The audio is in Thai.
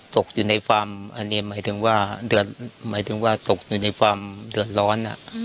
ตกอยู่ในความเดือดร้อน